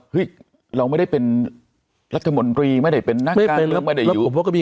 ฮึ้ยเราไม่ได้เป็นรัฐมนตรีไม่ได้เป็นน่ากรรมไม่ได้อยู่